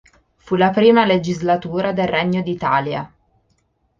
Fu la prima legislatura del Regno d'Italia.